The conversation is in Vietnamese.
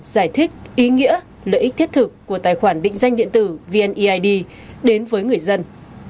giải thích ý nghĩa lợi ích thiết thực của tài khoản định danh điện tử vneid đến với người dân